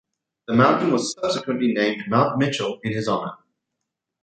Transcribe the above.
The mountain was subsequently named Mount Mitchell in his honor.